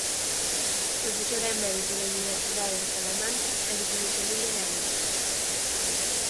Profesor emérito da Universidade de Salamanca e do Colexio Libre de Eméritos.